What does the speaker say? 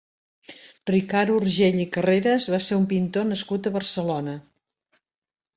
Ricard Urgell i Carreras va ser un pintor nascut a Barcelona.